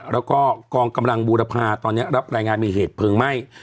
แล้วก็กองกำลังบูรพาตอนนี้รับรายงานมีเหตุเพลิงไหม้